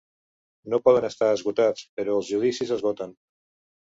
No poden estar esgotats, però els judicis esgoten.